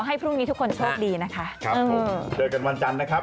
ให้พรุ่งนี้ทุกคนโชคดีนะคะครับผมเจอกันวันจันทร์นะครับ